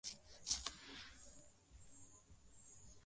pia hawatoa majeshi yake ya kulinda usalama katika mji wa mogadishu somalia